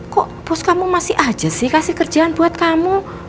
kok bos kamu masih aja sih kasih kerjaan buat kamu